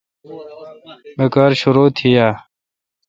بہ کار شرو تھی اؘ۔